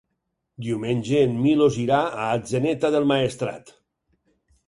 Diumenge en Milos irà a Atzeneta del Maestrat.